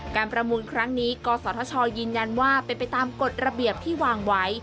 ประมูลครั้งนี้กศธชยืนยันว่าเป็นไปตามกฎระเบียบที่วางไว้